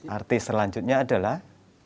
arti selanjutnya adalah